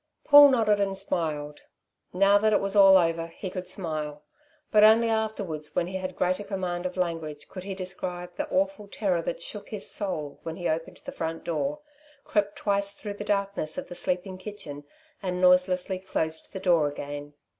Paul nodded and smiled. Now, that it was all over, he could smile. But only afterwards, when he had greater command of language, could he describe the awful terror that shook his soul when he opened the front door, crept twice through the darkness of the sleeping kitchen and noiselessly closed the door again.